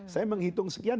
saya menghitung sekian